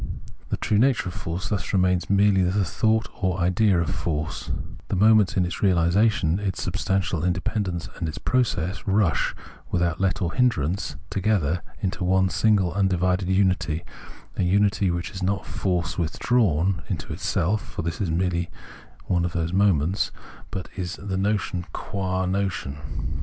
The true nature of force thus remains merely the thought or idea of force ; the moments in its reali sation, its substantial independence and its process, rush, without let or hindrance, together into one single undivided unity, a unity which is not force withdrawn into itself (for this is merely one of those moments), but is its notion qua notion.